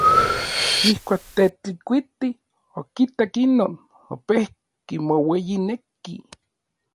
Ijkuak Tetlikuiti okitak inon, opejki moueyineki.